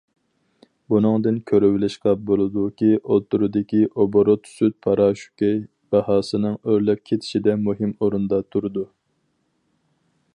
بۇنىڭدىن كۆرۈۋېلىشقا بولىدۇكى، ئوتتۇرىدىكى ئوبوروت سۈت پاراشوكى باھاسىنىڭ ئۆرلەپ كېتىشىدە مۇھىم ئورۇندا تۇرىدۇ.